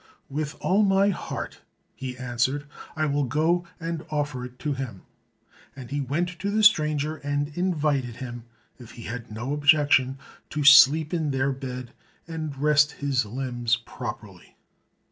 "With all my heart," he answered, "I will go and offer it to him;" and he went to the stranger and invited him, if he had no objection, to sleep in their bed and rest his limbs properly.